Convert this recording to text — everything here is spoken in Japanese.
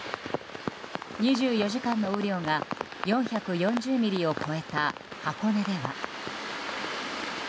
２４時間の雨量が４４０ミリを超えた箱根では。